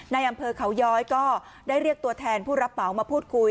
ในอำเภอเขาย้อยก็ได้เรียกตัวแทนผู้รับเหมามาพูดคุย